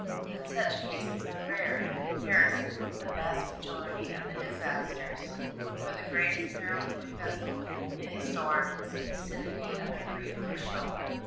But such cases are rare in comparison with the vast majority of the disasters; for the greatest peril to a vessel in a storm is the vicinity of a reef or shoal.